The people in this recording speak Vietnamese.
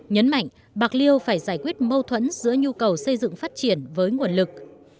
nhấn mạnh bạc liêu phải giải quyết mâu thuẫn giữa nhu cầu xây dựng phát triển với nguồn lực